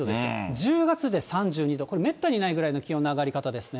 １０月で３２度、これ、めったにないぐらいの気温の上がり方ですね。